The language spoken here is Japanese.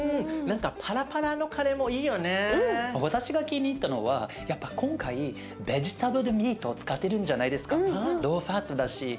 私が気に入ったのはやっぱ今回ベジタブルミートを使ってるんじゃないですか。